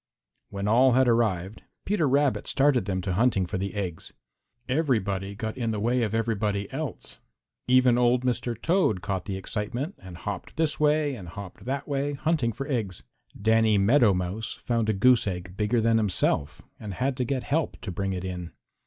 When all had arrived, Peter Rabbit started them to hunting for the eggs. Everybody got in the way of everybody else. Even old Mr. Toad caught the excitement and hopped this way and hopped that way hunting for eggs. Danny Meadow Mouse found a goose egg bigger than himself and had to get help to bring it in.